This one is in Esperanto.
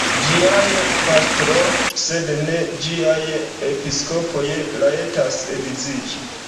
Ĝiaj pastroj, sed ne ĝiaj episkopoj, rajtas edziĝi.